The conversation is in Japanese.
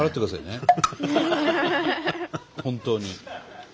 本当に。